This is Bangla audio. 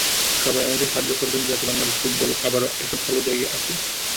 সবাই আমাকে সাহায্য করবেন যাতে বাংলাদেশের ফুটবল আবারও একটা ভালো জায়গায় আসে।